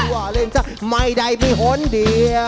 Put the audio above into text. ว่าเล่นซะไม่ได้มีหนเดียว